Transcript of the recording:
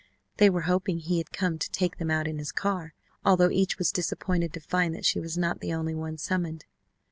They were hoping he had come to take them out in his car, although each was disappointed to find that she was not the only one summoned.